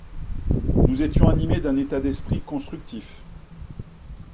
Nous étions animés d’un état d’esprit constructif.